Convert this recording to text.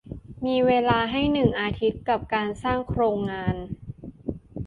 มีเวลาให้หนึ่งอาทิตย์กับการสร้างโครงงาน